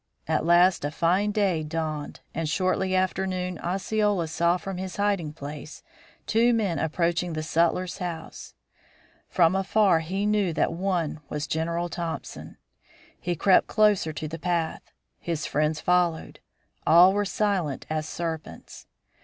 At last a fine day dawned, and shortly after noon Osceola saw from his hiding place two men approaching the sutler's house. From afar he knew that one was General Thompson. He crept closer to the path; his friends followed; all were silent as serpents.